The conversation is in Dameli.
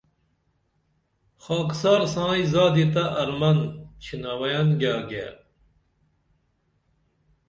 خاکسار سائیں زادی تہ ارمن چھنوئین گیاگیے